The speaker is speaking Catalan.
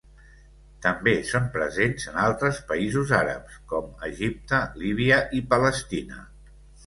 També són presents en altres països àrabs, com Egipte, Líbia i Palestina.